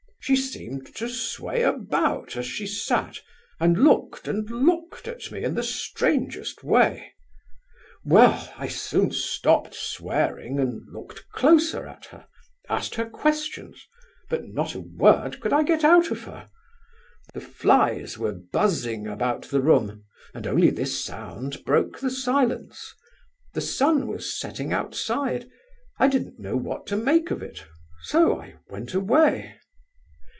She seemed to sway about as she sat, and looked and looked at me in the strangest way. Well, I soon stopped swearing and looked closer at her, asked her questions, but not a word could I get out of her. The flies were buzzing about the room and only this sound broke the silence; the sun was setting outside; I didn't know what to make of it, so I went away.